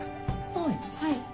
はい。